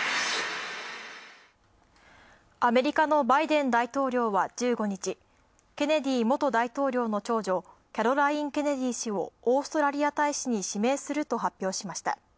アメリカのバイデン大統領は１５日ケネディ元大統領の長女、キャロライン・ケネディ氏をオーストラリア大使に指名すると発表しました。